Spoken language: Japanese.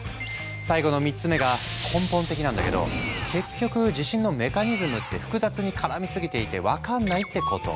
最後の３つ目が根本的なんだけど結局地震のメカニズムって複雑に絡みすぎていて分かんないってこと。